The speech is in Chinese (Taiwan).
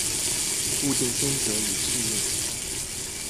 物競天擇與適應